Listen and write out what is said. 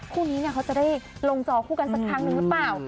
คู่นี้เขาจะได้ลงจอคู่กันสักครั้งหนึ่งหรือเปล่า